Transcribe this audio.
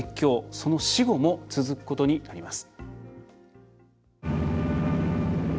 その死後も続くことになります。